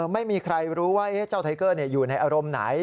ไม่มีใครรู้ว่าเจ้าไทเกอร์อยู่ในอารมณ์ไหน